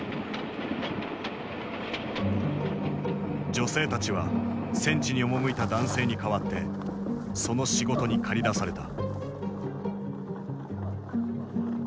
女性たちは戦地に赴いた男性に代わってその仕事に駆り出された。